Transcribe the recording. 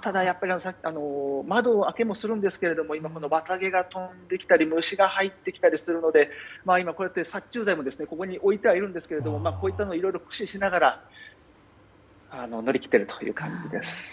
ただ、やっぱり窓を開けもするんですけども今は綿毛が飛んできたり虫が入ってきたりするので今、殺虫剤も置いてはいるんですけれどもこういったものをいろいろと駆使しながら乗り切っている感じです。